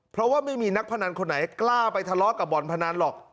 เพราะว่าไม่มีนักพนันคนไหนกล้าไปทะเลาะกับบ่อนพนันหรอก